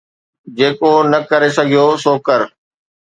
جيڪو نه ڪري سگهيو سو ڪر